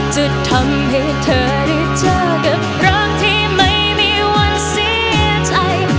จะทำให้เธอได้เจอกับเรื่องที่ไม่มีวันเสียใจ